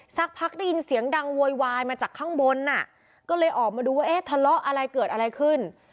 สักพักได้ยินเสียงดังโวยวายมาจากข้างบนอ่ะก็เลยออกมาดูว่าเอ๊ะทะเลาะอะไรเกิดอะไรขึ้น